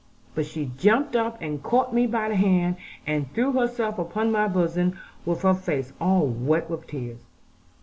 But she jumped up, and caught me by the hand, and threw herself upon my bosom, with her face all wet with tears.